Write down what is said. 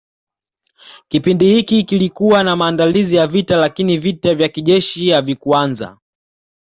Kipindi hiki kilikuwa na maandalizi ya vita lakini vita vya kijeshi havikuanza